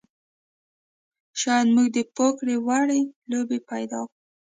شاید موږ د پوکر وړې لوبې پیدا کړو